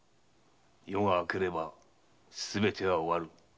夜が明ければすべては終わる。